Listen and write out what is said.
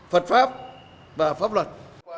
phật pháp và pháp luật